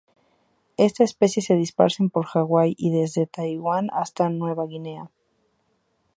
Esta especie se distribuyen por Hawái y desde Taiwán hasta Nueva Guinea.